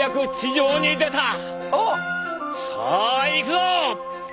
さあ行くぞ！